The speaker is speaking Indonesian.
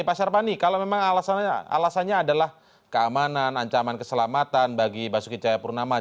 pak syarpani kalau memang alasannya adalah keamanan ancaman keselamatan bagi basuki cahayapurnama